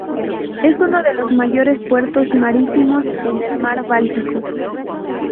Es uno de los mayores puertos marítimos en el Mar Báltico.